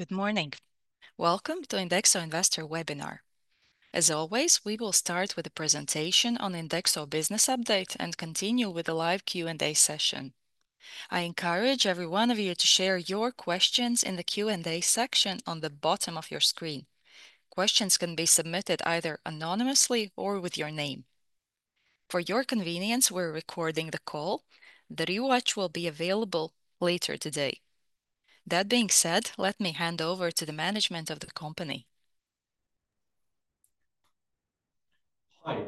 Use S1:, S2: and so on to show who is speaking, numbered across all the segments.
S1: Good morning. Welcome to INDEXO Investor webinar. As always, we will start with a presentation on INDEXO Business Update and continue with a live Q&A session. I encourage every one of you to share your questions in the Q&A section on the bottom of your screen. Questions can be submitted either anonymously or with your name. For your convenience, we're recording the call. The rewatch will be available later today. That being said, let me hand over to the management of the company.
S2: Hi,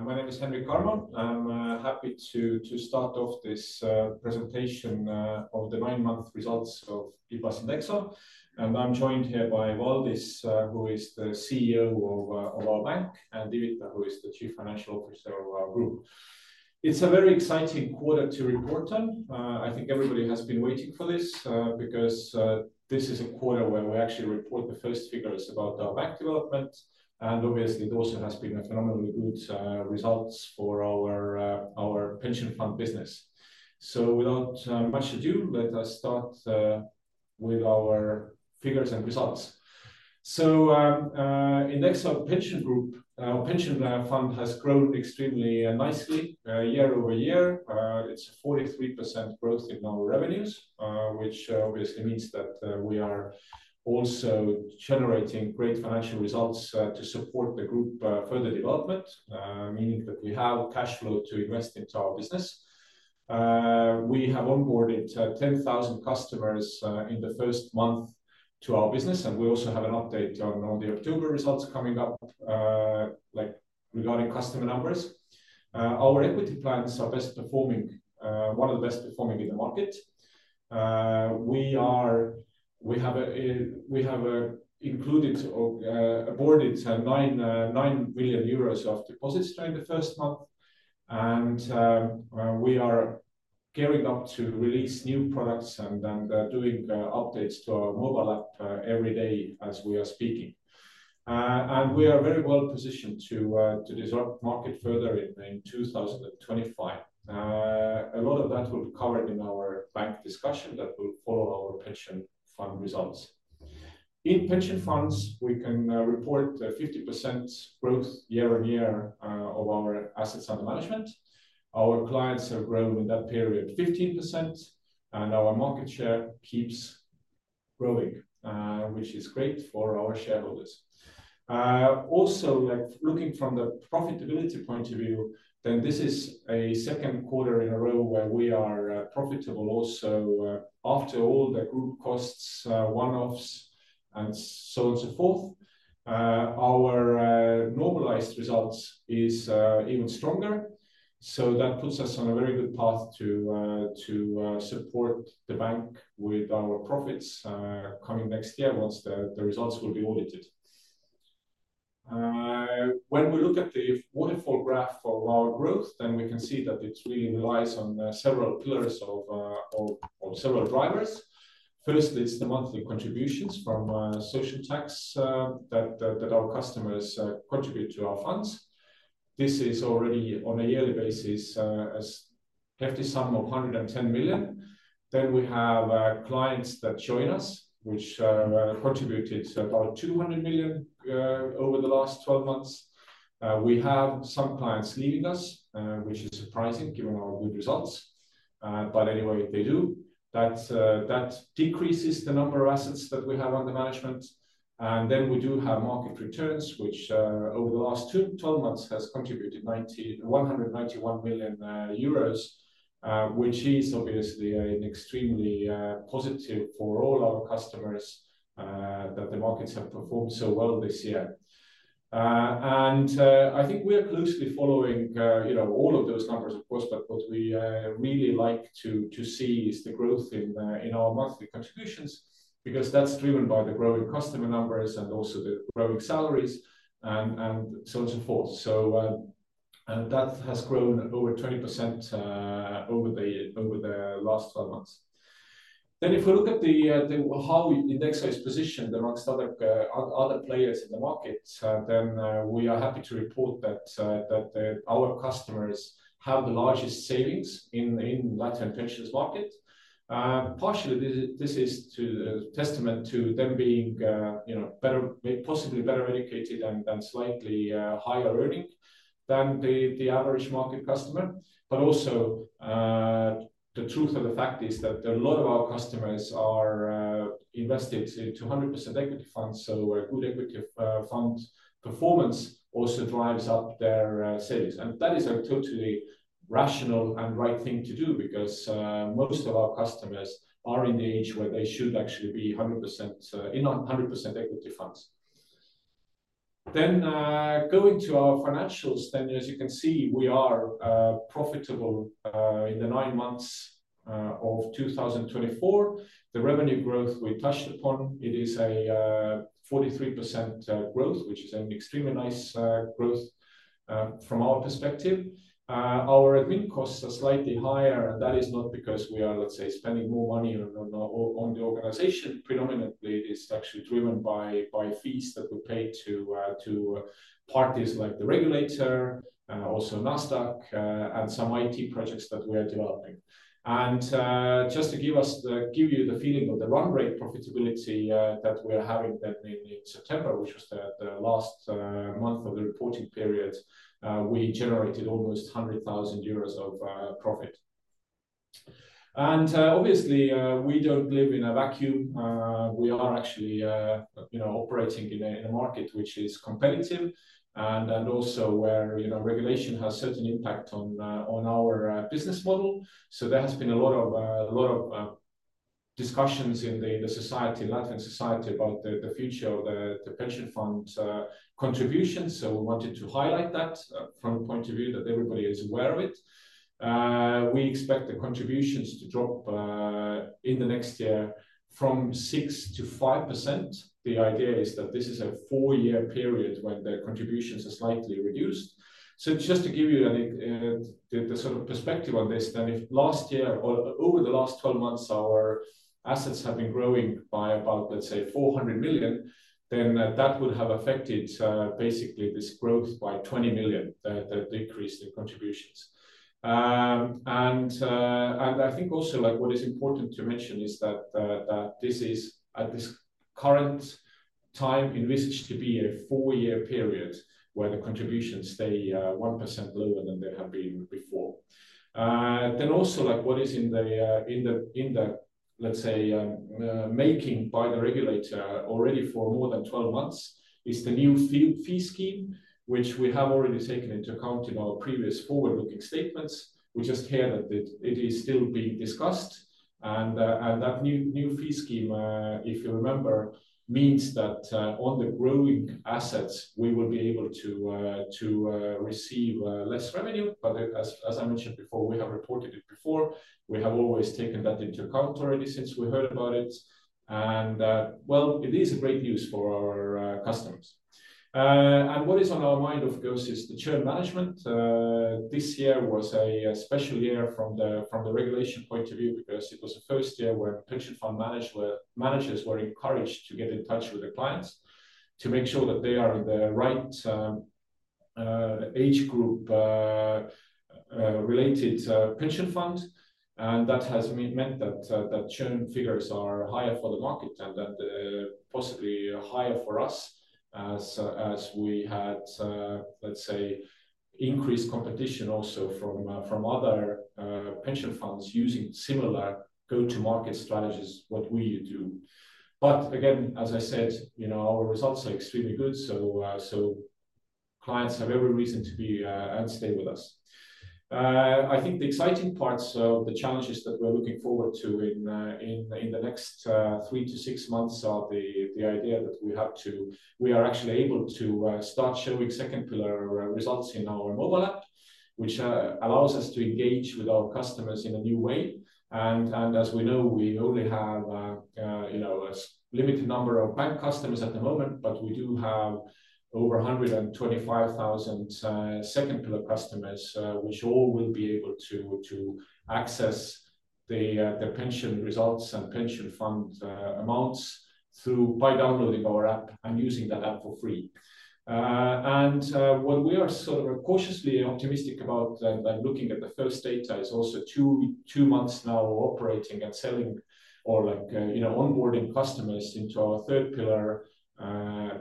S2: my name is Henrik Karmo. I'm happy to start off this presentation of the nine-month results of IPAS INDEXO. And I'm joined here by Valdis, who is the CEO of our bank, and Ivita, who is the Chief Financial Officer of our group. It's a very exciting quarter to report on. I think everybody has been waiting for this because this is a quarter where we actually report the first figures about our bank development. And obviously, those have been phenomenally good results for our pension fund business. So without much ado, let us start with our figures and results. So INDEXO Pension Group, our pension fund, has grown extremely nicely year-over-year. It's a 43% growth in our revenues, which obviously means that we are also generating great financial results to support the group further development, meaning that we have cash flow to invest into our business. We have onboarded 10,000 customers in the first month to our business. And we also have an update on the October results coming up regarding customer numbers. Our equity plans are best performing, one of the best performing in the market. We have absorbed EUR 9 million of deposits during the first month. And we are gearing up to release new products and doing updates to our mobile app every day as we are speaking. And we are very well positioned to disrupt the market further in 2025. A lot of that will be covered in our bank discussion that will follow our pension fund results. In pension funds, we can report 50% growth year on year of our assets under management. Our clients have grown in that period 15%. And our market share keeps growing, which is great for our shareholders. Also, looking from the profitability point of view, then this is a second quarter in a row where we are profitable. Also, after all the group costs, one-offs, and so on and so forth, our normalized results are even stronger. So that puts us on a very good path to support the bank with our profits coming next year once the results will be audited. When we look at the waterfall graph of our growth, then we can see that it really relies on several pillars of several drivers. First, it's the monthly contributions from social tax that our customers contribute to our funds. This is already on a yearly basis a hefty sum of 110 million. Then we have clients that join us, which contributed about 200 million over the last 12 months. We have some clients leaving us, which is surprising given our good results. But anyway, they do. That decreases the number of assets that we have under management. And then we do have market returns, which over the last 12 months have contributed 191 million euros, which is obviously extremely positive for all our customers that the markets have performed so well this year. And I think we are closely following all of those numbers, of course. But what we really like to see is the growth in our monthly contributions because that's driven by the growing customer numbers and also the growing salaries and so on and so forth. So that has grown over 20% over the last 12 months. Then if we look at how INDEXO is positioned among other players in the market, then we are happy to report that our customers have the largest savings in the Latvian pension market. Partially, this is a testament to them being possibly better educated and slightly higher earning than the average market customer. But also, the truth of the fact is that a lot of our customers are invested in 200% equity funds. So a good equity fund performance also drives up their savings. And that is a totally rational and right thing to do because most of our customers are in the age where they should actually be in 100% equity funds. Then going to our financials, then as you can see, we are profitable in the nine months of 2024. The revenue growth we touched upon, it is a 43% growth, which is an extremely nice growth from our perspective. Our admin costs are slightly higher. And that is not because we are, let's say, spending more money on the organization. Predominantly, it is actually driven by fees that we pay to parties like the regulator, also Nasdaq, and some IT projects that we are developing. And just to give you the feeling of the run rate profitability that we are having in September, which was the last month of the reporting period, we generated almost 100,000 euros of profit. And obviously, we don't live in a vacuum. We are actually operating in a market which is competitive and also where regulation has a certain impact on our business model. So there has been a lot of discussions in the society, Latvian society, about the future of the pension fund contributions. So we wanted to highlight that from the point of view that everybody is aware of it. We expect the contributions to drop in the next year from 6%-5%. The idea is that this is a four-year period when the contributions are slightly reduced. So just to give you the sort of perspective on this, then if last year or over the last 12 months, our assets have been growing by about, let's say, 400 million, then that would have affected basically this growth by 20 million, the decrease in contributions. And I think also what is important to mention is that this is at this current time envisaged to be a four-year period where the contributions stay 1% lower than they have been before. Then also what is in the, let's say, making by the regulator already for more than 12 months is the new fee scheme, which we have already taken into account in our previous forward-looking statements. We just hear that it is still being discussed. And that new fee scheme, if you remember, means that on the growing assets, we will be able to receive less revenue. But as I mentioned before, we have reported it before. We have always taken that into account already since we heard about it. And well, it is great news for our customers. And what is on our mind, of course, is the churn management. This year was a special year from the regulation point of view because it was the first year when pension fund managers were encouraged to get in touch with the clients to make sure that they are in the right age group related pension fund. And that has meant that churn figures are higher for the market and possibly higher for us as we had, let's say, increased competition also from other pension funds using similar go-to-market strategies, what we do. But again, as I said, our results are extremely good. So clients have every reason to be and stay with us. I think the exciting parts of the challenges that we're looking forward to in the next three to six months are the idea that we are actually able to start showing 2nd pillar results in our mobile app, which allows us to engage with our customers in a new way. And as we know, we only have a limited number of bank customers at the moment, but we do have over 125,000 2nd pillar customers, which all will be able to access the pension results and pension fund amounts by downloading our app and using that app for free. And what we are sort of cautiously optimistic about looking at the first data is also two months now operating and selling or onboarding customers into our 3rd pillar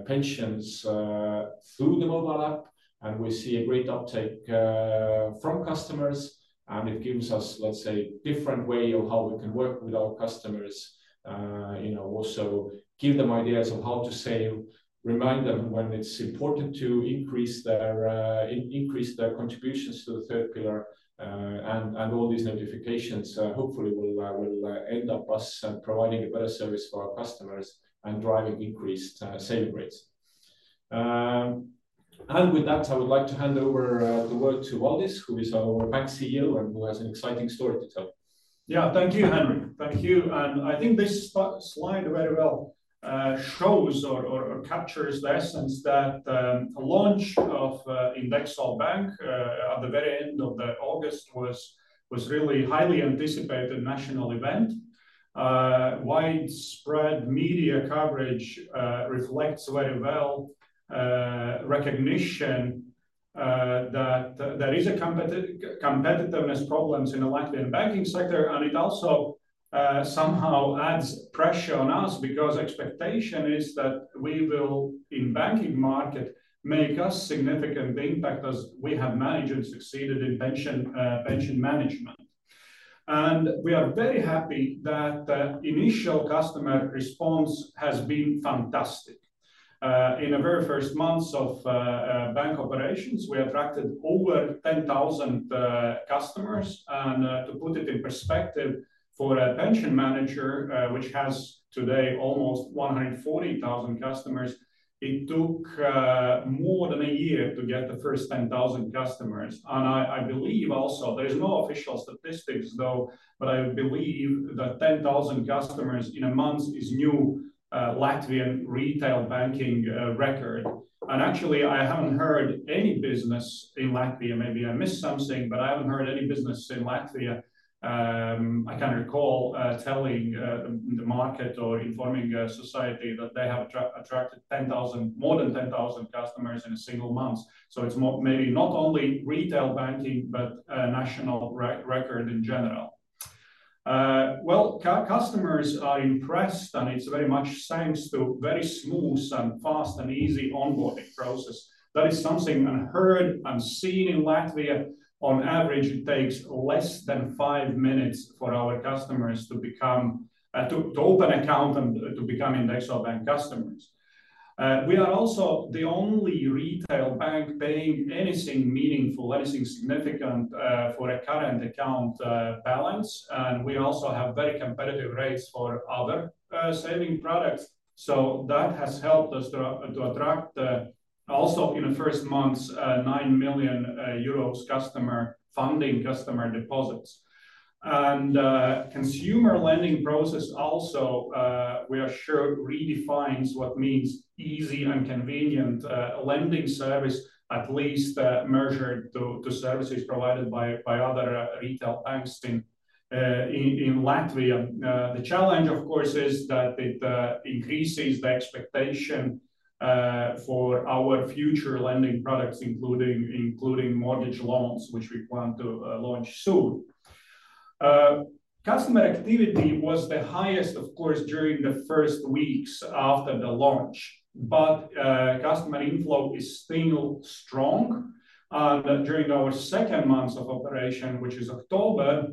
S2: pensions through the mobile app. And we see a great uptake from customers. And it gives us, let's say, a different way of how we can work with our customers, also give them ideas of how to save, remind them when it's important to increase their contributions to the 3rd pillar, and all these notifications hopefully will end up us providing a better service for our customers and driving increased saving rates. And with that, I would like to hand over the word to Valdis, who is our bank CEO and who has an exciting story to tell.
S3: Yeah, thank you, Henrik. Thank you. And I think this slide very well shows or captures the essence that the launch of INDEXO Bank at the very end of August was a really highly anticipated national event. Widespread media coverage reflects very well recognition that there are competitiveness problems in the Latvian banking sector. And it also somehow adds pressure on us because expectation is that we will, in the banking market, make a significant impact as we have managed and succeeded in pension management. And we are very happy that the initial customer response has been fantastic. In the very first months of bank operations, we attracted over 10,000 customers. And to put it in perspective, for a pension manager, which has today almost 140,000 customers, it took more than a year to get the first 10,000 customers. I believe also there is no official statistics, though, but I believe that 10,000 customers in a month is a new Latvian retail banking record. Actually, I haven't heard any business in Latvia. Maybe I missed something, but I haven't heard any business in Latvia. I can't recall telling the market or informing society that they have attracted more than 10,000 customers in a single month. It's maybe not only retail banking, but a national record in general. Customers are impressed, and it's very much thanks to a very smooth and fast and easy onboarding process. That is something unheard and seen in Latvia. On average, it takes less than five minutes for our customers to open an account and to become INDEXO Bank customers. We are also the only retail bank paying anything meaningful, anything significant for a current account balance. We also have very competitive rates for other saving products. That has helped us to attract also in the first months 9 million euros customer funding, customer deposits. The consumer lending process also, we are sure, redefines what means easy and convenient lending service, at least measured to services provided by other retail banks in Latvia. The challenge, of course, is that it increases the expectation for our future lending products, including mortgage loans, which we plan to launch soon. Customer activity was the highest, of course, during the first weeks after the launch. Customer inflow is still strong. During our second month of operation, which is October,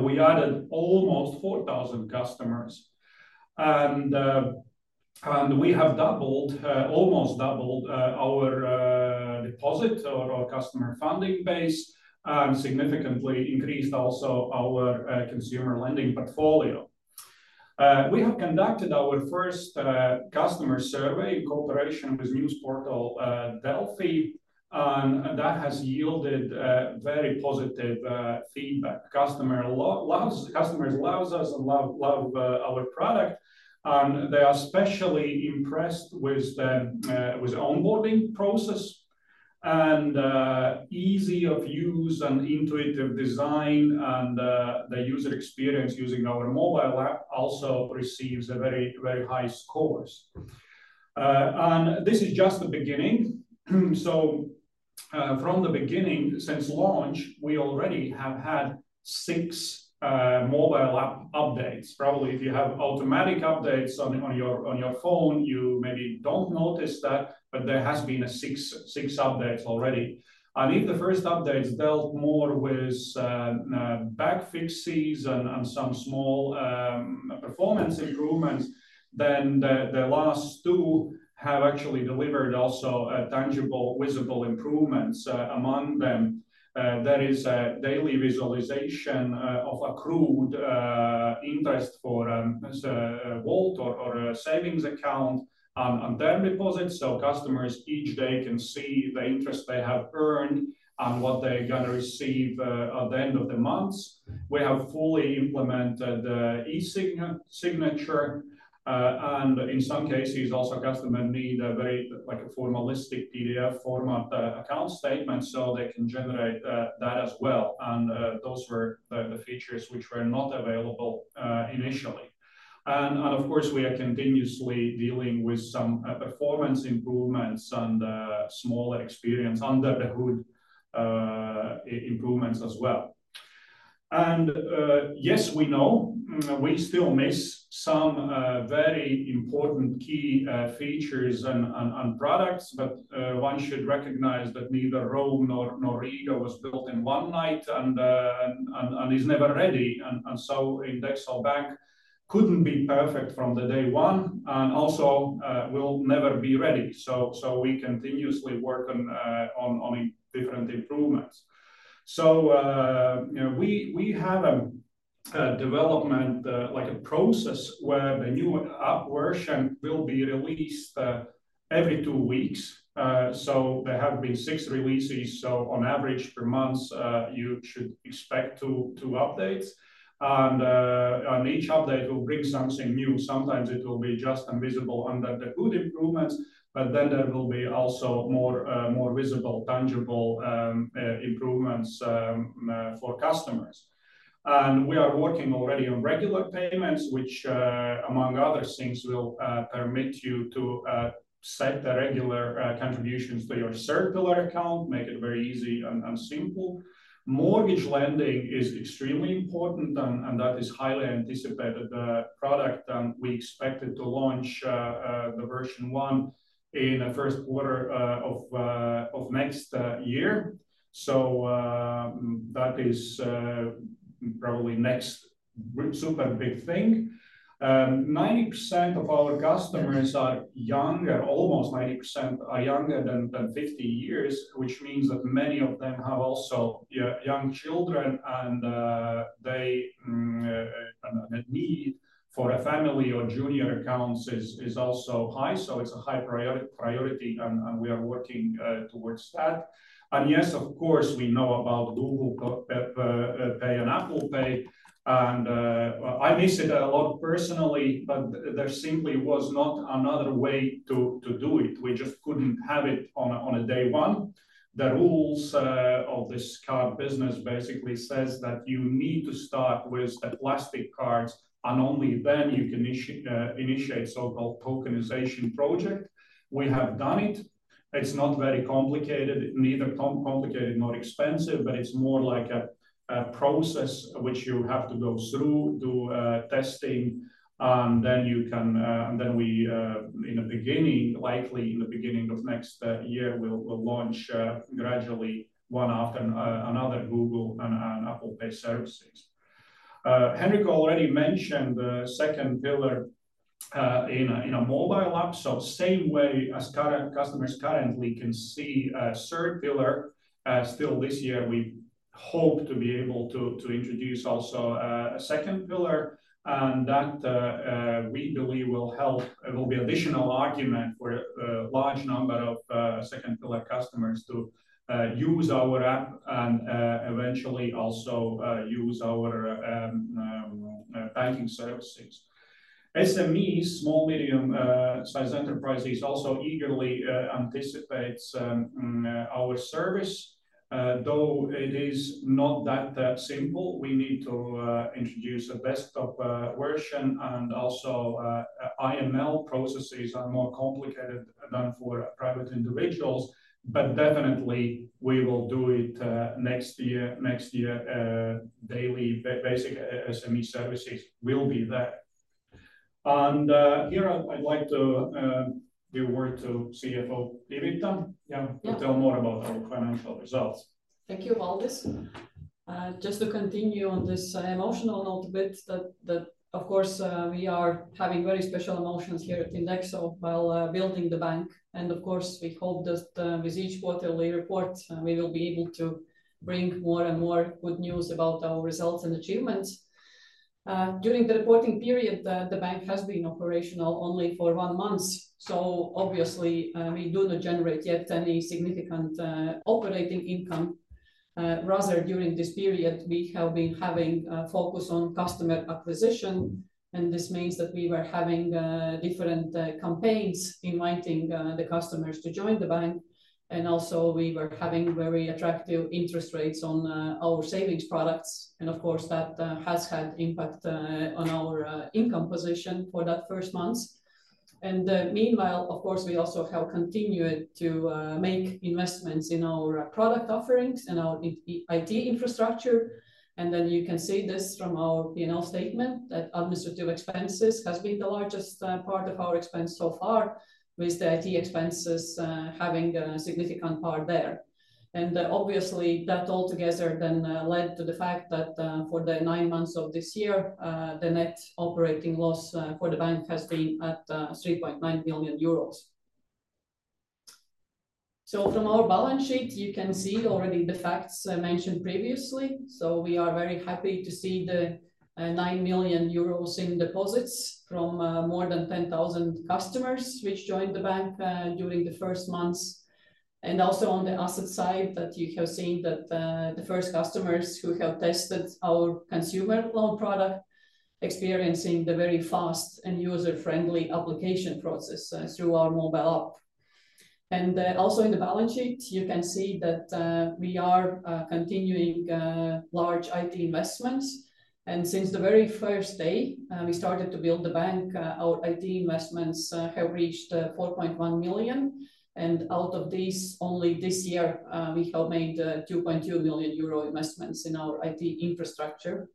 S3: we added almost 4,000 customers. We have doubled, almost doubled our deposit or our customer funding base and significantly increased also our consumer lending portfolio. We have conducted our first customer survey in cooperation with news portal Delfi. That has yielded very positive feedback. Customers love us and love our product. They are especially impressed with the onboarding process and ease of use and intuitive design. The user experience using our mobile app also receives a very, very high score. This is just the beginning. From the beginning, since launch, we already have had six mobile app updates. Probably if you have automatic updates on your phone, you maybe don't notice that, but there has been six updates already. If the first updates dealt more with bug fixes and some small performance improvements, then the last two have actually delivered also tangible, visible improvements among them. There is a daily visualization of accrued interest for a vault or a savings account and deposits. So customers each day can see the interest they have earned and what they're going to receive at the end of the month. We have fully implemented e-signature. And in some cases, also customers need a very formalistic PDF format account statement so they can generate that as well. And those were the features which were not available initially. And of course, we are continuously dealing with some performance improvements and smaller experience under the hood improvements as well. And yes, we know we still miss some very important key features and products, but one should recognize that neither Rome nor Riga was built in one night and is never ready. And so INDEXO Bank couldn't be perfect from day one and also will never be ready. So we continuously work on different improvements. We have a development process where the new app version will be released every two weeks. There have been six releases. On average, per month, you should expect two updates. Each update will bring something new. Sometimes it will be just invisible under the hood improvements, but then there will be also more visible, tangible improvements for customers. We are working already on regular payments, which, among other things, will permit you to set the regular contributions to your 3rd pillar account, make it very easy and simple. Mortgage lending is extremely important, and that is a highly anticipated product. We expected to launch the version one in the first quarter of next year. That is probably the next super big thing. 90% of our customers are younger, almost 90% are younger than 50 years, which means that many of them have also young children. And the need for family or junior accounts is also high. So it's a high priority. And we are working towards that. And yes, of course, we know about Google Pay and Apple Pay. And I miss it a lot personally, but there simply was not another way to do it. We just couldn't have it on day one. The rules of this card business basically say that you need to start with the plastic cards, and only then you can initiate a so-called tokenization project. We have done it. It's not very complicated, neither complicated nor expensive, but it's more like a process which you have to go through, do testing, and then we, in the beginning, likely in the beginning of next year, will launch gradually one after another Google Pay and Apple Pay services. Henrik already mentioned the 2nd pillar in a mobile app, so same way as customers currently can see a 3rd pillar still this year, we hope to be able to introduce also a 2nd pillar, and that we believe will help, will be additional argument for a large number of 2nd pillar customers to use our app and eventually also use our banking services. SMEs, small, medium-sized enterprises also eagerly anticipate our service, though it is not that simple. We need to introduce a desktop version. Also AML processes are more complicated than for private individuals, but definitely we will do it next year. Next year, daily basic SME services will be there. Here I'd like to give word to CFO Ivita to tell more about our financial results.
S4: Thank you, Valdis. Just to continue on this emotional note a bit, that of course we are having very special emotions here at INDEXO while building the bank, and of course, we hope that with each quarterly report, we will be able to bring more and more good news about our results and achievements. During the reporting period, the bank has been operational only for one month. So obviously, we do not generate yet any significant operating income. Rather, during this period, we have been having a focus on customer acquisition, and this means that we were having different campaigns inviting the customers to join the bank, and also we were having very attractive interest rates on our savings products, and of course, that has had impact on our income position for that first month. And meanwhile, of course, we also have continued to make investments in our product offerings and our IT infrastructure. And then you can see this from our P&L statement that administrative expenses has been the largest part of our expense so far, with the IT expenses having a significant part there. And obviously, that all together then led to the fact that for the nine months of this year, the net operating loss for the bank has been at 3.9 million euros. So from our balance sheet, you can see already the facts mentioned previously. So we are very happy to see the 9 million euros in deposits from more than 10,000 customers which joined the bank during the first months. And also on the asset side, you have seen that the first customers who have tested our consumer loan product are experiencing the very fast and user-friendly application process through our mobile app. And also in the balance sheet, you can see that we are continuing large IT investments. And since the very first day we started to build the bank, our IT investments have reached 4.1 million. And out of these, only this year, we have made 2.2 million euro investments in our IT infrastructure.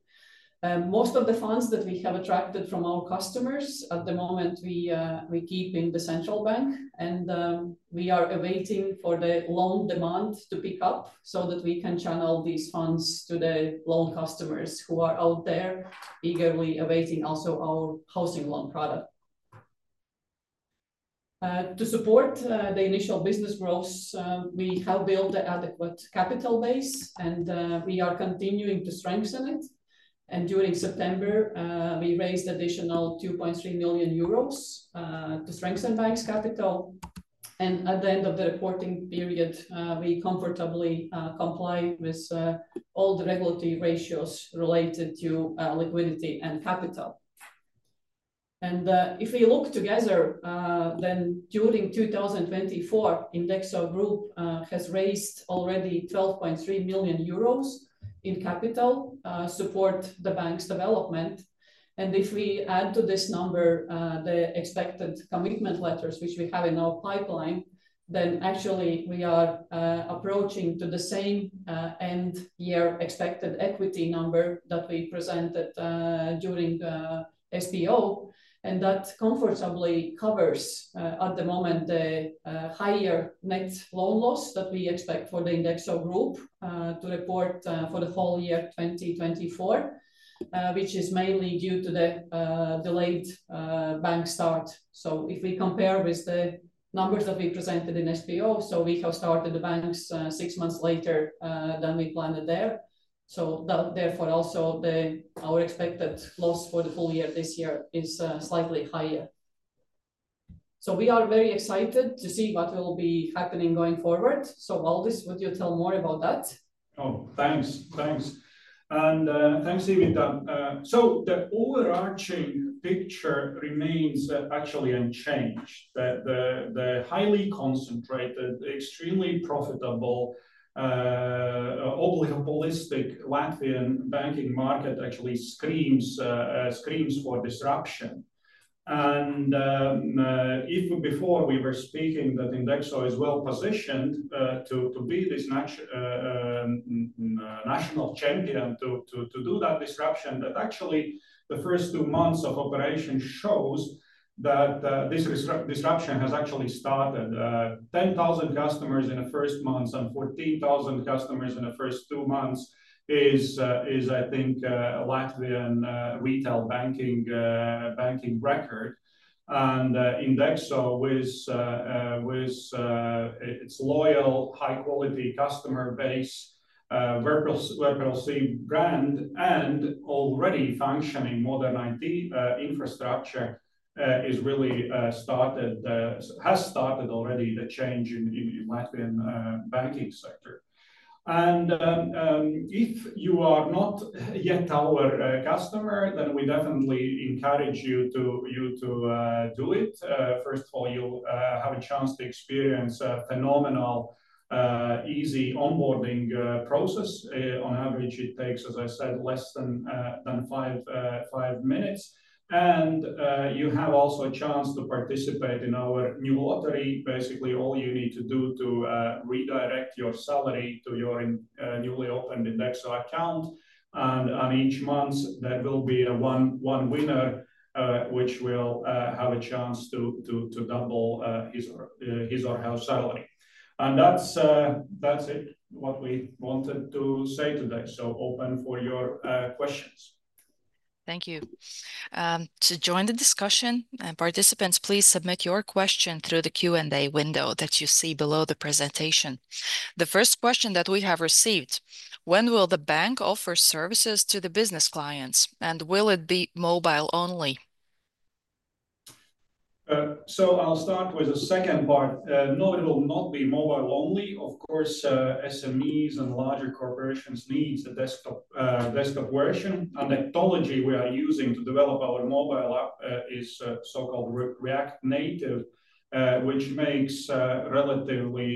S4: Most of the funds that we have attracted from our customers at the moment, we keep in the central bank. And we are awaiting for the loan demand to pick up so that we can channel these funds to the loan customers who are out there eagerly awaiting also our housing loan product. To support the initial business growth, we have built an adequate capital base, and we are continuing to strengthen it. And during September, we raised additional 2.3 million euros to strengthen bank's capital. And at the end of the reporting period, we comfortably comply with all the regulatory ratios related to liquidity and capital. And if we look together, then during 2024, INDEXO Group has raised already 12.3 million euros in capital to support the bank's development. And if we add to this number the expected commitment letters which we have in our pipeline, then actually we are approaching to the same end year expected equity number that we presented during SPO. And that comfortably covers at the moment the higher net loan loss that we expect for the INDEXO Group to report for the whole year 2024, which is mainly due to the delayed bank start. So if we compare with the numbers that we presented in SPO, so we have started the bank six months later than we planned there. So therefore also our expected loss for the full year this year is slightly higher. So we are very excited to see what will be happening going forward. So Valdis, would you tell more about that?
S3: Oh, thanks. Thanks. And thanks, Ivita. So the overarching picture remains actually unchanged. The highly concentrated, extremely profitable, oligopolistic Latvian banking market actually screams for disruption. And if before we were speaking that INDEXO is well positioned to be this national champion to do that disruption, that actually the first two months of operation shows that this disruption has actually started. 10,000 customers in the first months and 14,000 customers in the first two months is, I think, Latvian retail banking record. And INDEXO with its loyal, high-quality customer base, very prolific brand, and already functioning modern IT infrastructure has started already the change in the Latvian banking sector. And if you are not yet our customer, then we definitely encourage you to do it. First of all, you'll have a chance to experience a phenomenal, easy onboarding process. On average, it takes, as I said, less than five minutes. And you have also a chance to participate in our new lottery. Basically, all you need to do is redirect your salary to your newly opened INDEXO account. And on each month, there will be one winner which will have a chance to double his or her salary. And that's it what we wanted to say today. So open for your questions.
S1: Thank you. To join the discussion, participants, please submit your question through the Q&A window that you see below the presentation. The first question that we have received: When will the bank offer services to the business clients? And will it be mobile only?
S3: So I'll start with the second part. No, it will not be mobile only. Of course, SMEs and larger corporations need the desktop version. And the technology we are using to develop our mobile app is so-called React Native, which makes it relatively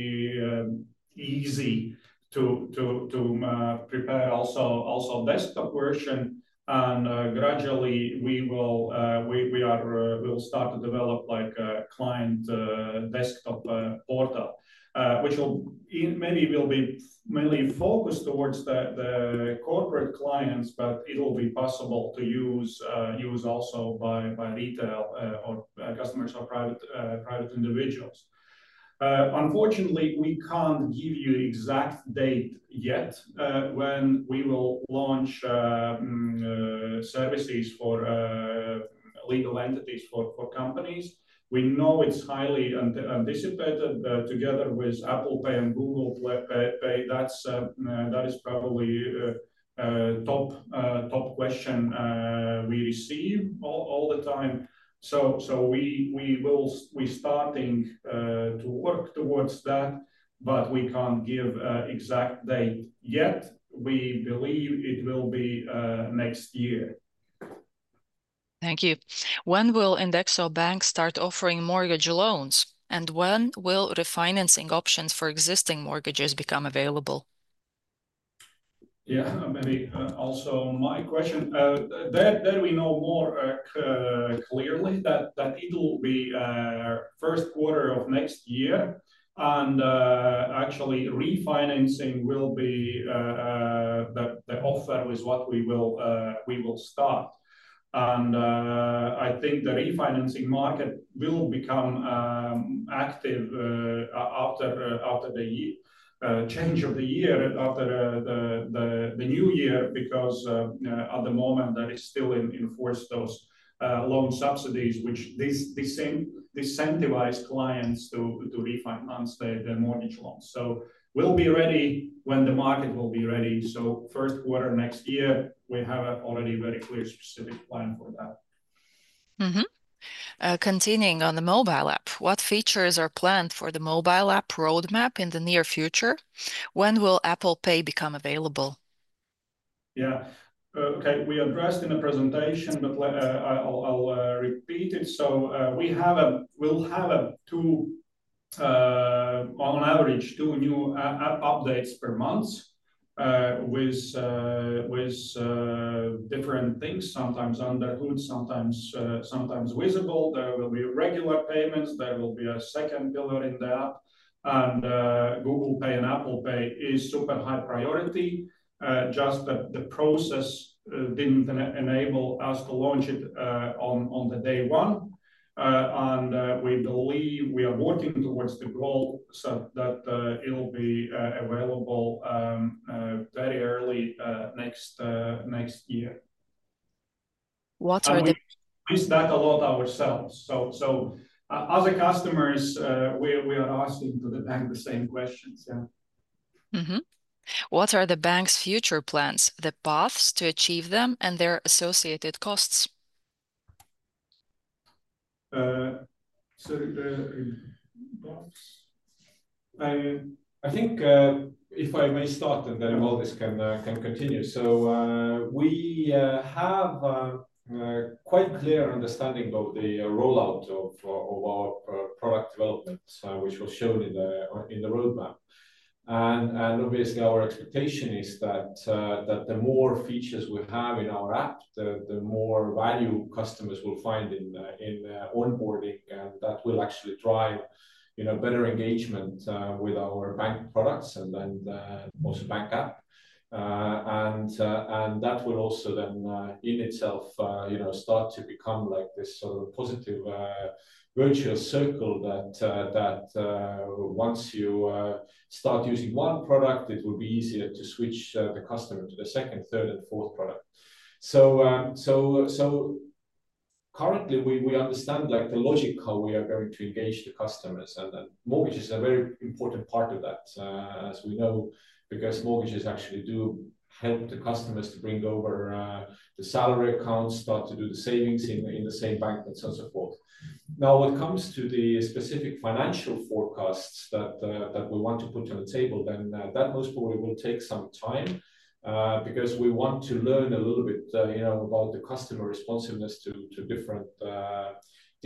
S3: easy to prepare also a desktop version. And gradually, we will start to develop a client desktop portal, which maybe will be mainly focused towards the corporate clients, but it will be possible to use also by retail customers or private individuals. Unfortunately, we can't give you the exact date yet when we will launch services for legal entities, for companies. We know it's highly anticipated together with Apple Pay and Google Pay. That is probably the top question we receive all the time. So we are starting to work towards that, but we can't give an exact date yet. We believe it will be next year.
S1: Thank you. When will INDEXO Bank start offering mortgage loans? And when will refinancing options for existing mortgages become available?
S3: Yeah, maybe also my question. There we know more clearly that it will be the first quarter of next year. And actually, refinancing will be the offer with what we will start. And I think the refinancing market will become active after the change of the year, after the new year, because at the moment, there is still enforced those loan subsidies, which disincentivize clients to refinance their mortgage loans. So we'll be ready when the market will be ready. So first quarter next year, we have already a very clear specific plan for that.
S1: Continuing on the mobile app, what features are planned for the mobile app roadmap in the near future? When will Apple Pay become available?
S3: Yeah. Okay. We addressed in the presentation, but I'll repeat it. So we will have on average two new app updates per month with different things, sometimes under the hood, sometimes visible. There will be regular payments. There will be a 2nd pillar in the app. And Google Pay and Apple Pay are super high priority. Just the process didn't enable us to launch it on the day one. And we believe we are working towards the goal that it will be available very early next year.
S1: What are the
S3: We set a lot ourselves. So as customers, we are asking the bank the same questions. Yeah.
S1: What are the bank's future plans, the paths to achieve them, and their associated costs?
S2: I think if I may start and then Valdis can continue. So we have a quite clear understanding of the rollout of our product development, which was shown in the roadmap. And obviously, our expectation is that the more features we have in our app, the more value customers will find in onboarding. And that will actually drive better engagement with our bank products and then also bank app. And that will also then in itself start to become like this sort of positive virtuous circle that once you start using one product, it will be easier to switch the customer to the second, third, and fourth product. So currently, we understand the logic how we are going to engage the customers. And mortgages are a very important part of that, as we know, because mortgages actually do help the customers to bring over the salary accounts, start to do the savings in the same bank, and so forth. Now, when it comes to the specific financial forecasts that we want to put on the table, then that most probably will take some time because we want to learn a little bit about the customer responsiveness to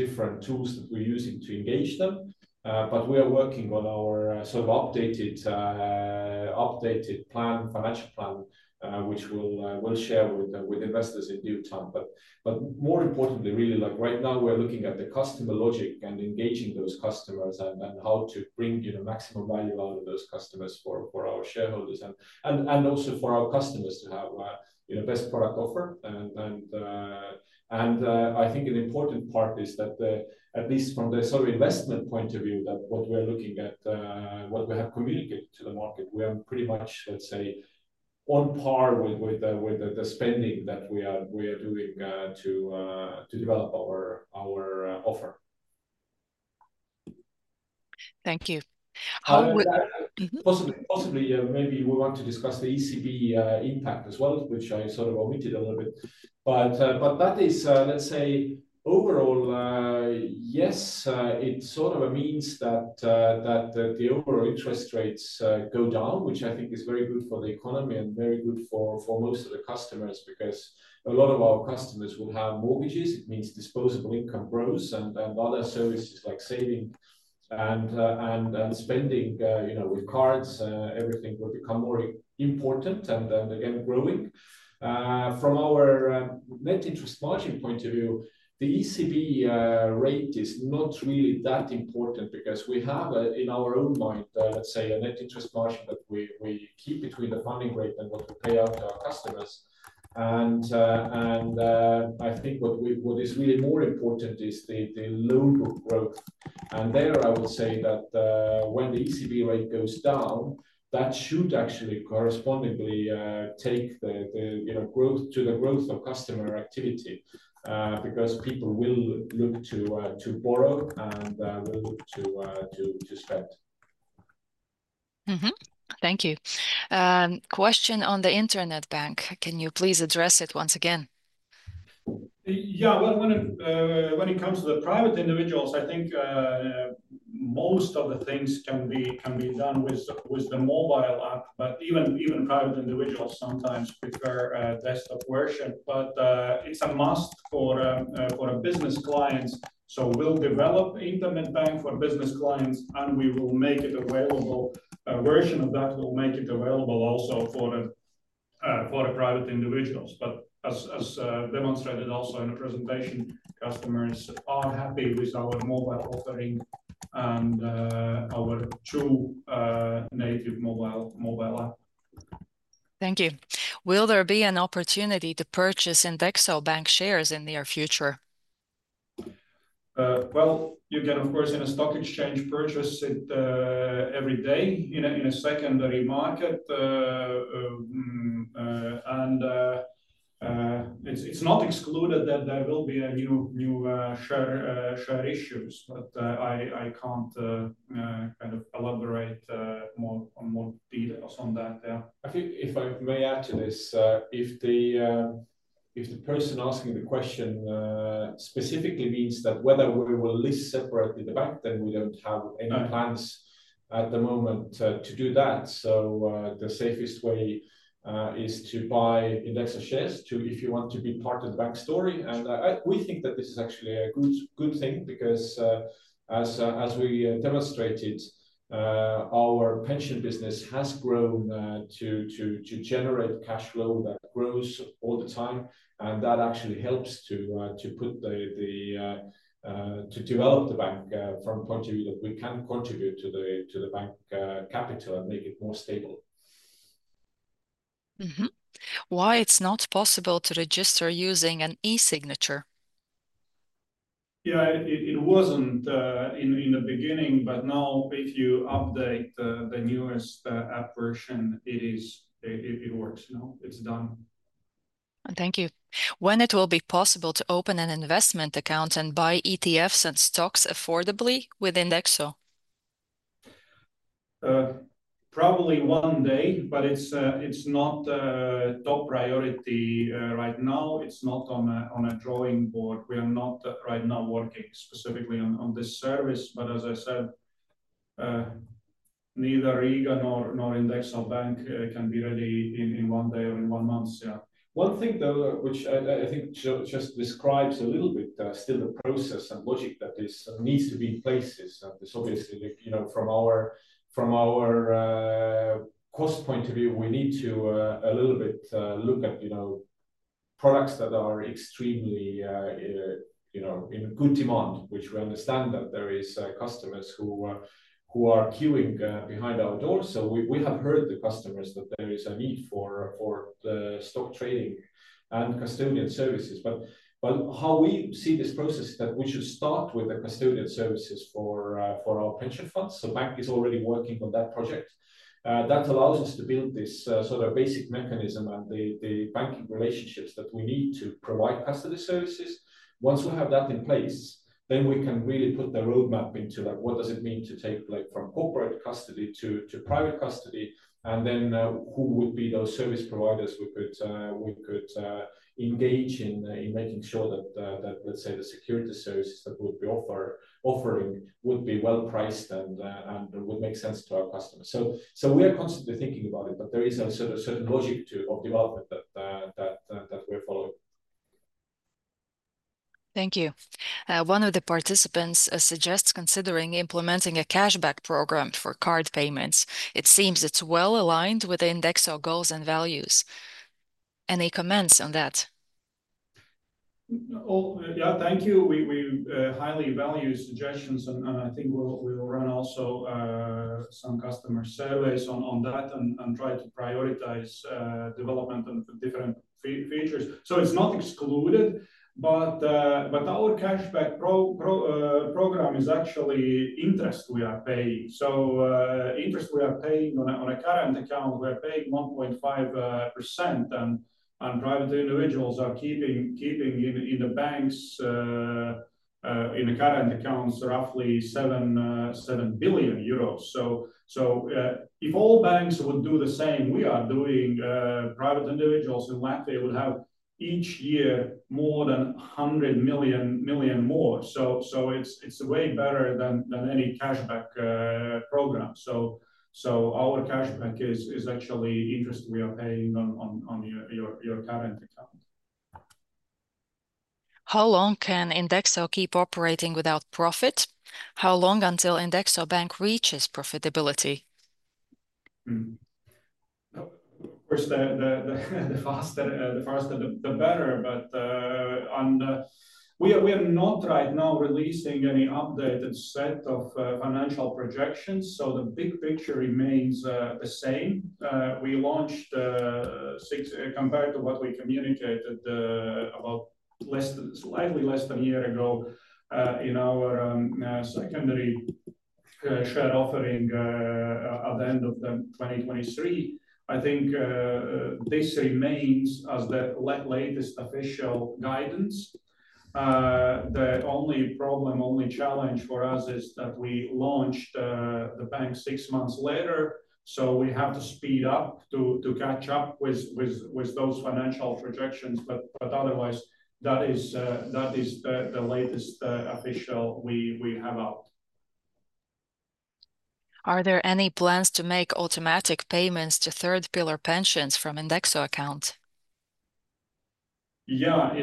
S2: different tools that we're using to engage them. But we are working on our sort of updated plan, financial plan, which we'll share with investors in due time. But more importantly, really, right now, we're looking at the customer logic and engaging those customers and how to bring maximum value out of those customers for our shareholders and also for our customers to have the best product offer. I think an important part is that at least from the sort of investment point of view, that what we are looking at, what we have communicated to the market, we are pretty much, let's say, on par with the spending that we are doing to develop our offer.
S1: Thank you.
S3: Possibly, maybe we want to discuss the ECB impact as well, which I sort of omitted a little bit. But that is, let's say, overall, yes, it sort of means that the overall interest rates go down, which I think is very good for the economy and very good for most of the customers because a lot of our customers will have mortgages. It means disposable income grows and other services like saving and spending with cards, everything will become more important and again growing. From our net interest margin point of view, the ECB rate is not really that important because we have in our own mind, let's say, a net interest margin that we keep between the funding rate and what we pay out to our customers. And I think what is really more important is the local growth. There, I would say that when the ECB rate goes down, that should actually correspondingly take the growth to the growth of customer activity because people will look to borrow and will look to spend.
S1: Thank you. Question on the internet bank. Can you please address it once again?
S3: Yeah. When it comes to the private individuals, I think most of the things can be done with the mobile app, but even private individuals sometimes prefer a desktop version. But it's a must for business clients. So we'll develop internet bank for business clients, and we will make it available. A version of that will make it available also for private individuals. But as demonstrated also in the presentation, customers are happy with our mobile offering and our true native mobile app.
S1: Thank you. Will there be an opportunity to purchase INDEXO Bank shares in the near future?
S3: You can, of course, in a stock exchange purchase it every day in a secondary market. It's not excluded that there will be new share issues, but I can't kind of elaborate on more details on that. Yeah.
S2: I think if I may add to this, if the person asking the question specifically means that whether we will list separately the bank, then we don't have any plans at the moment to do that. The safest way is to buy INDEXO shares if you want to be part of the bank story. We think that this is actually a good thing because as we demonstrated, our pension business has grown to generate cash flow that grows all the time. That actually helps to develop the bank from the point of view that we can contribute to the bank capital and make it more stable.
S1: Why it's not possible to register using an e-signature?
S3: Yeah, it wasn't in the beginning, but now if you update the newest app version, it works. It's done.
S1: Thank you. When it will be possible to open an investment account and buy ETFs and stocks affordably with INDEXO?
S3: Probably one day, but it's not top priority right now. It's not on a drawing board. We are not right now working specifically on this service. But as I said, neither Riga nor INDEXO Bank can be ready in one day or in one month. Yeah.
S2: One thing, though, which I think just describes a little bit still the process and logic that needs to be in place. Obviously, from our cost point of view, we need to a little bit look at products that are extremely in good demand, which we understand that there are customers who are queuing behind our doors. So we have heard the customers that there is a need for stock trading and custody services. But how we see this process is that we should start with the custody services for our pension funds. So the bank is already working on that project. That allows us to build this sort of basic mechanism and the banking relationships that we need to provide custody services. Once we have that in place, then we can really put the roadmap into what does it mean to take from corporate custody to private custody and then who would be those service providers we could engage in making sure that, let's say, the security services that we would be offering would be well priced and would make sense to our customers, so we are constantly thinking about it, but there is a certain logic of development that we're following.
S1: Thank you. One of the participants suggests considering implementing a cashback program for card payments. It seems it's well aligned with INDEXO goals and values. Any comments on that?
S3: Yeah, thank you. We highly value suggestions, and I think we'll run also some customer surveys on that and try to prioritize development of different features. So it's not excluded, but our cashback program is actually interest we are paying. So interest we are paying on a current account, we are paying 1.5%. And private individuals are keeping in the banks in the current accounts roughly 7 billion euros. So if all banks would do the same we are doing, private individuals in Latvia would have each year more than 100 million more. So it's way better than any cashback program. So our cashback is actually interest we are paying on your current account.
S1: How long can INDEXO keep operating without profit? How long until INDEXO Bank reaches profitability?
S3: Of course, the faster the better. But we are not right now releasing any updated set of financial projections. So the big picture remains the same. We launched, compared to what we communicated about slightly less than a year ago, in our secondary share offering at the end of 2023. I think this remains as the latest official guidance. The only problem, only challenge for us is that we launched the bank six months later. So we have to speed up to catch up with those financial projections. But otherwise, that is the latest official we have out.
S1: Are there any plans to make automatic payments to 3rd pillar pensions from INDEXO account?
S3: Yeah.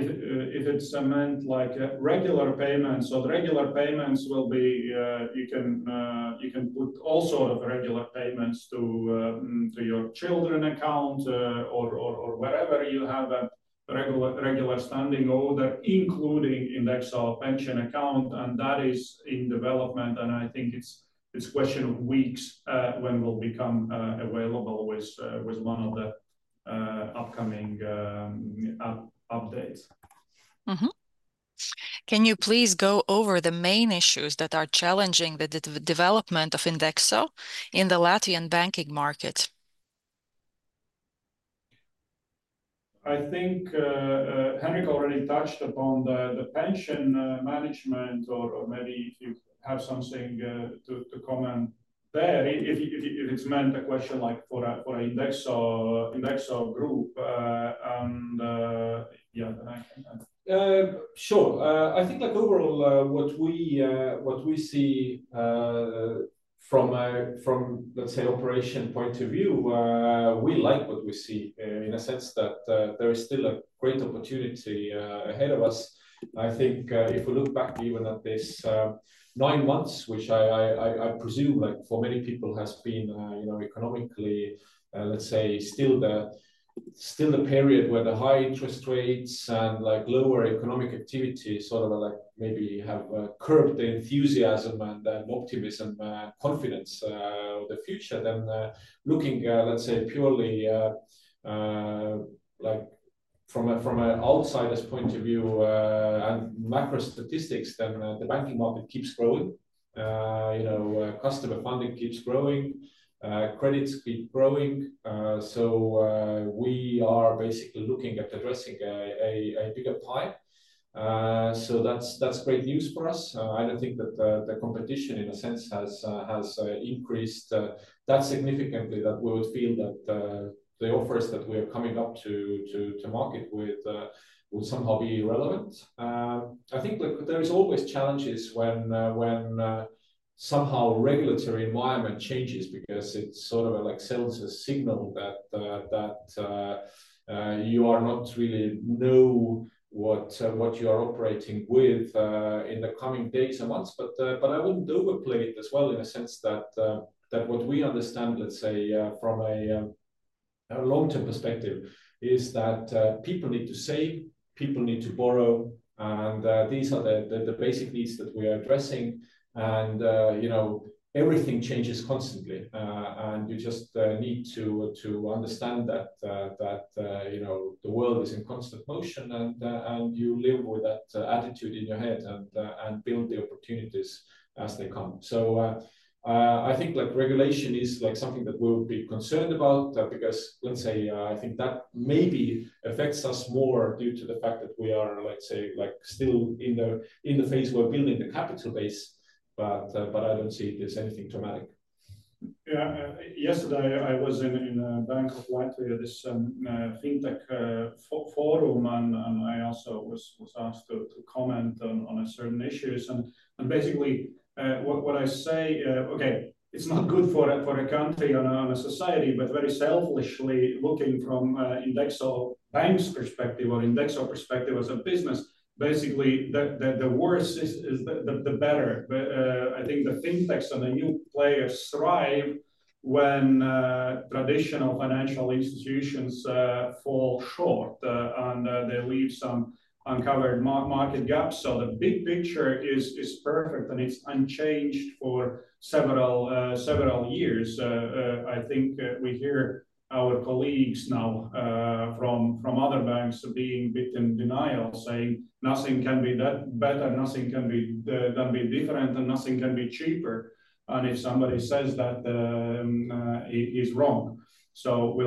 S3: If it's meant like regular payments, so the regular payments will be you can put all sorts of regular payments to your children's account or wherever you have a regular standing order, including INDEXO pension account, and that is in development. I think it's a question of weeks when it will become available with one of the upcoming updates.
S1: Can you please go over the main issues that are challenging the development of INDEXO in the Latvian banking market?
S3: I think Henrik already touched upon the Pension Management or maybe if you have something to comment there. If it's meant as a question like for an INDEXO Group, and yeah, then I can answer.
S2: Sure. I think overall, what we see from, let's say, operational point of view, we like what we see in a sense that there is still a great opportunity ahead of us. I think if we look back even at these nine months, which I presume for many people has been economically, let's say, still the period where the high interest rates and lower economic activity sort of maybe have curbed the enthusiasm and optimism, confidence of the future, then looking, let's say, purely from an outsider's point of view and macro statistics, then the banking market keeps growing. Customer funding keeps growing. Credits keep growing. So we are basically looking at addressing a bigger pie. That's great news for us. I don't think that the competition in a sense has increased that significantly that we would feel that the offers that we are coming up to market with would somehow be irrelevant. I think there are always challenges when somehow regulatory environment changes because it sort of sends a signal that you are not really knowing what you are operating with in the coming days and months. I wouldn't overplay it as well in a sense that what we understand, let's say, from a long-term perspective is that people need to save, people need to borrow, and these are the basic needs that we are addressing. Everything changes constantly. You just need to understand that the world is in constant motion and you live with that attitude in your head and build the opportunities as they come. So I think regulation is something that we would be concerned about because, let's say, I think that maybe affects us more due to the fact that we are, let's say, still in the phase we're building the capital base. But I don't see it as anything dramatic.
S3: Yeah. Yesterday, I was in a Bank of Latvia at this Fintech Forum, and I also was asked to comment on certain issues. And basically, what I say, okay, it's not good for a country and a society, but very selfishly looking from INDEXO Bank's perspective or INDEXO perspective as a business, basically the worse is the better. I think the FinTechs and the new players thrive when traditional financial institutions fall short and they leave some uncovered market gaps. So the big picture is perfect and it's unchanged for several years. I think we hear our colleagues now from other banks being a bit in denial, saying nothing can be better, nothing can be different, and nothing can be cheaper, and if somebody says that, he's wrong, so we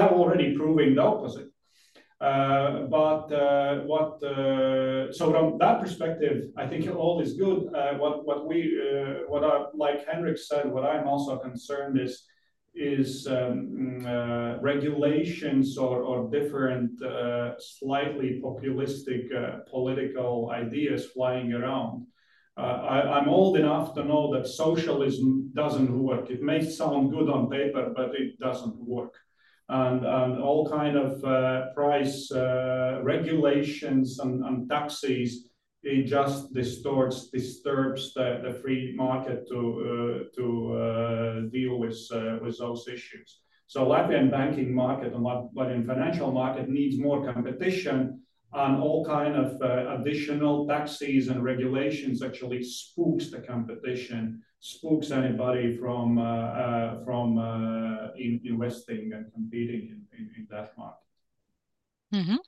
S3: have already proven the opposite, but so from that perspective, I think all is good. Like Henrik said, what I'm also concerned is regulations or different slightly populist political ideas flying around. I'm old enough to know that socialism doesn't work. It may sound good on paper, but it doesn't work, and all kinds of price regulations and taxes, it just disturbs the free market to deal with those issues, so Latvian banking market and Latvian financial market needs more competition, and all kinds of additional taxes and regulations actually spooks the competition, spooks anybody from investing and competing in that market.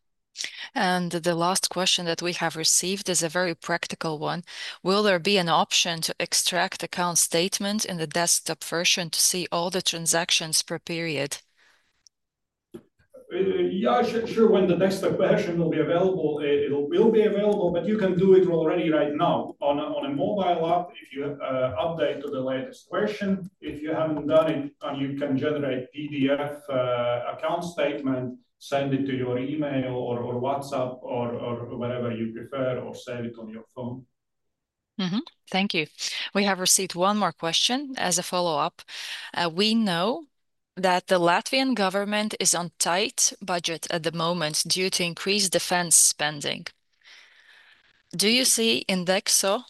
S1: The last question that we have received is a very practical one. Will there be an option to extract account statement in the desktop version to see all the transactions per period?
S2: Yeah, sure. When the desktop version will be available, it will be available, but you can do it already right now on a mobile app if you update to the latest version. If you haven't done it, you can generate PDF account statement, send it to your email or WhatsApp or whatever you prefer, or save it on your phone.
S1: Thank you. We have received one more question as a follow-up. We know that the Latvian government is on tight budget at the moment due to increased defense spending. Do you see INDEXO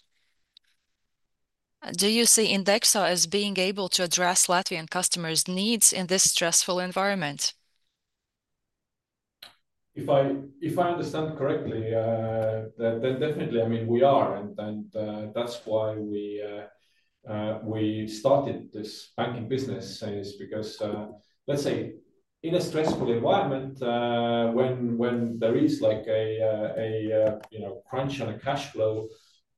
S1: as being able to address Latvian customers' needs in this stressful environment?
S2: If I understand correctly, then definitely, I mean, we are. And that's why we started this banking business is because, let's say, in a stressful environment, when there is a crunch on cash flow,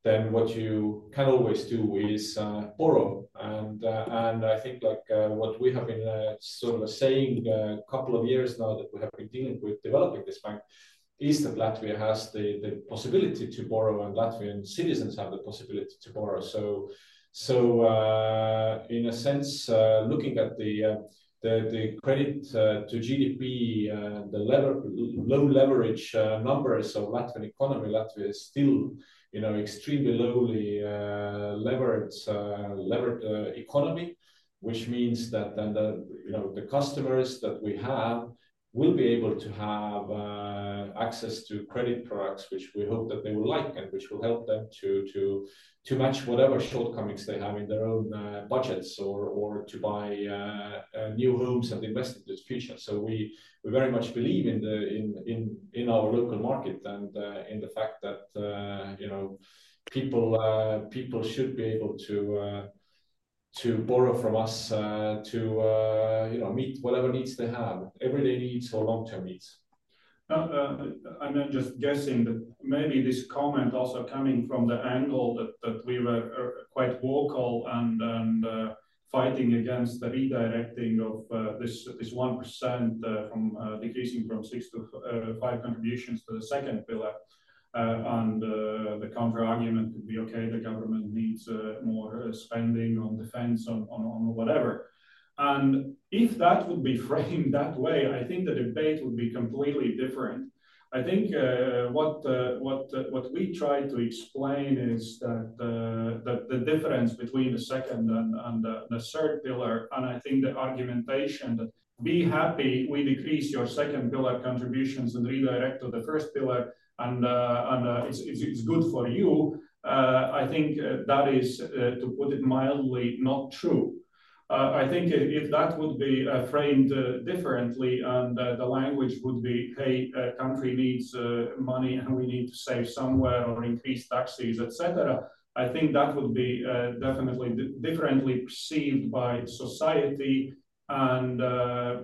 S2: then what you can always do is borrow. And I think what we have been sort of saying a couple of years now that we have been dealing with developing this bank is that Latvia has the possibility to borrow and Latvian citizens have the possibility to borrow. In a sense, looking at the credit to GDP and the low leverage numbers of the Latvian economy, Latvia is still an extremely lowly leveraged economy, which means that the customers that we have will be able to have access to credit products, which we hope that they will like and which will help them to match whatever shortcomings they have in their own budgets or to buy new homes and invest in this future. We very much believe in our local market and in the fact that people should be able to borrow from us to meet whatever needs they have, everyday needs or long-term needs. I'm just guessing that maybe this comment also coming from the angle that we were quite vocal and fighting against the redirecting of this 1% from decreasing from six to five contributions to the 2nd pillar. The counterargument would be, okay, the government needs more spending on defense or whatever. And if that would be framed that way, I think the debate would be completely different. I think what we try to explain is that the difference between the 2nd and the 3rd pillar, and I think the argumentation that be happy we decrease your 2nd pillar contributions and redirect to the 1st pillar and it's good for you, I think that is, to put it mildly, not true. I think if that would be framed differently and the language would be, hey, country needs money and we need to save somewhere or increase taxes, etc., I think that would be definitely differently perceived by society and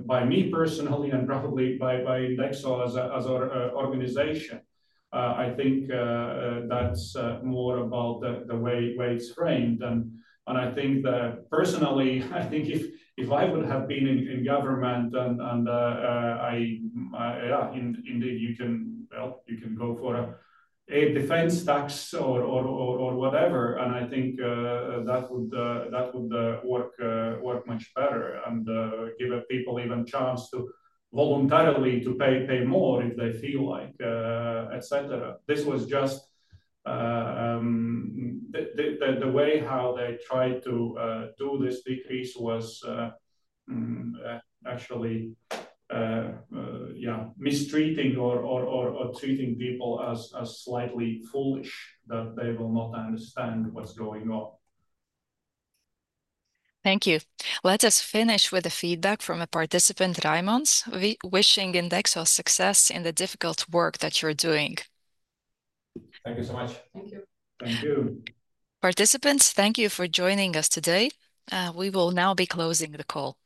S2: by me personally and probably by INDEXO as an organization. I think that's more about the way it's framed. And I think that personally, I think if I would have been in government and indeed you can go for a defense tax or whatever, and I think that would work much better and give people even a chance to voluntarily pay more if they feel like, etc. This was just the way how they tried to do this decrease was actually mistreating or treating people as slightly foolish that they will not understand what's going on.
S1: Thank you. Let us finish with the feedback from a participant, Raimonds, wishing INDEXO success in the difficult work that you're doing.
S2: Thank you so much.
S3: Thank you.
S1: Thank you. Participants, thank you for joining us today. We will now be closing the call.